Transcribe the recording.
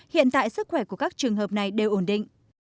hiện tại sức khỏe của các trường hợp này đều ổn định